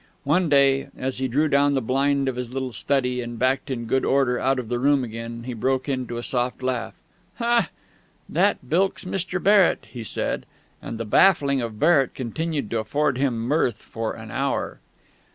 One day, as he drew down the blind of his little study and backed in good order out of the room again, he broke into a soft laugh. "That bilks Mr. Barrett!" he said; and the baffling of Barrett continued to afford him mirth for an hour.